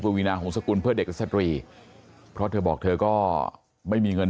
วีนาหงษกุลเพื่อเด็กและสตรีเพราะเธอบอกเธอก็ไม่มีเงิน